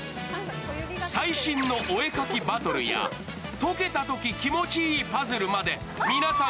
最新のお絵描きバトルや、解けたとき気持ちいいパズルまで、皆さん